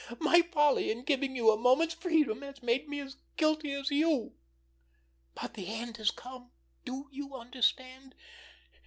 My folly in giving you a moment's freedom has made me as guilty as you. But the end has come. Do you understand?